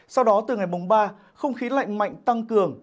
sau đó từ ngày mùng ba không khí lạnh mạnh tăng cường